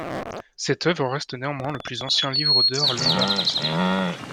Cette œuvre reste néanmoins le plus ancien livre d'heures lombard conservé.